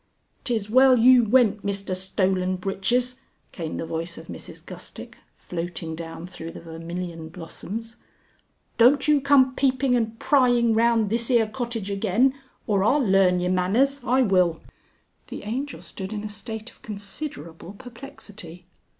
"'Tis well you went, Mister Stolen Breeches," came the voice of Mrs Gustick floating down through the vermilion blossoms. "Don't you come peeping and prying round this yer cottage again or I'll learn ye manners, I will!" The Angel stood in a state of considerable perplexity.